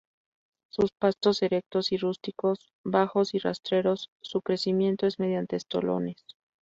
Son pastos erectos y rústicos, bajos y rastreros, su crecimiento es mediante estolones.